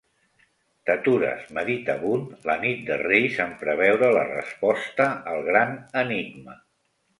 T'atures, meditabund, la nit de Reis en preveure la resposta al gran enigma.